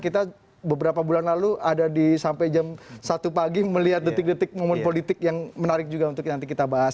kita beberapa bulan lalu ada di sampai jam satu pagi melihat detik detik momen politik yang menarik juga untuk nanti kita bahas